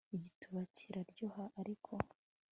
igituba kiraryoha ariko